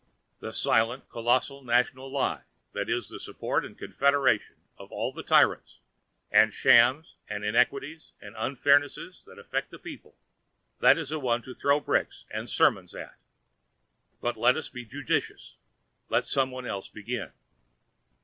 The silent colossal National Lie that is the support and confederate of all the tyrannies and shams and inequalities and unfairnesses that afflict the peoples—that is the one to throw bricks and sermons at. But let us be judicious and let somebody else begin.